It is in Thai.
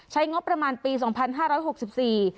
งบประมาณปีสองพันห้าร้อยหกสิบสี่